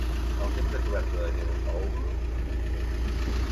El temps de coberta de neu a Oulu és de cinc mesos.